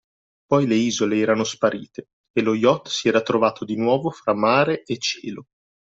Poi le isole erano sparite e lo yacht si era trovato di nuovo fra mare e cielo.